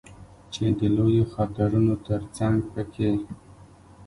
چې د لویو خطرونو ترڅنګ په کې